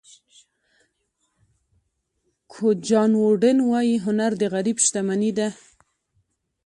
کوچ جان ووډن وایي هنر د غریب شتمني ده.